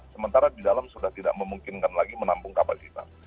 sementara di dalam sudah tidak memungkinkan lagi menampung kapasitas